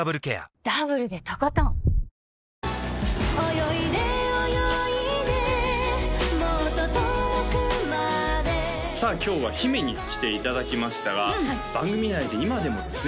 泳いで泳いでもっと遠くまでさあ今日は姫に来ていただきましたが番組内で今でもですね